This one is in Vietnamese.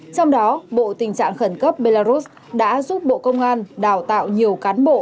trong đó bộ tình trạng khẩn cấp belarus đã giúp bộ công an đào tạo nhiều cán bộ